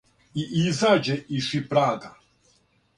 И изађе из шипрага,